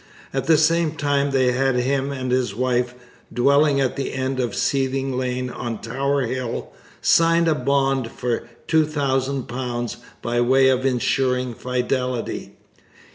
At the same time they had him and his wife, 'dwelling at the end of Seething Lane on Tower Hill,' sign a bond for £2000 by way of ensuring fidelity.